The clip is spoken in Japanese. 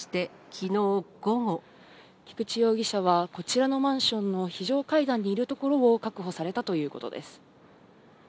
菊池容疑者は、こちらのマンションの非常階段にいるところを確保されたということです。